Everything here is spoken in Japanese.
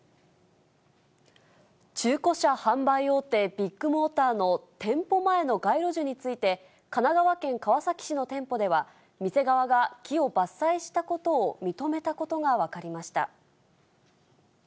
中古車販売大手、ビッグモーターの店舗前の街路樹について、神奈川県川崎市の店舗では、店側が木を伐採したことを認めたことが分かりました。